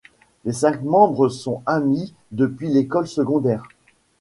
Les cinq membres sont amis depuis l'école secondaire.